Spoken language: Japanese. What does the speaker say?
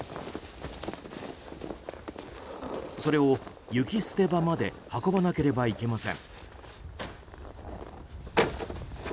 それを雪捨て場まで運ばなければいけません。